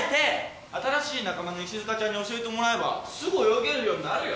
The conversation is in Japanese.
新しい仲間の石塚ちゃんに教えてもらえばすぐ泳げるようになるよ。